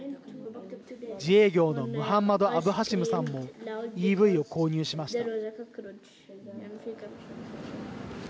自営業のムハンマド・アブハシムさんもＥＶを購入しました。